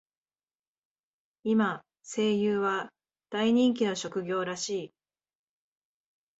今、声優は大人気の職業らしい。